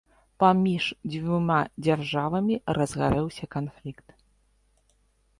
Паміж дзвюма дзяржавамі разгарэўся канфлікт.